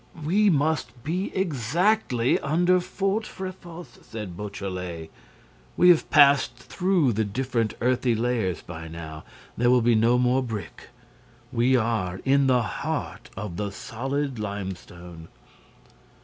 "We must be exactly under Fort Fréfossé," said Beautrelet. "We have passed through the different earthy layers by now. There will be no more brick. We are in the heart of the solid limestone."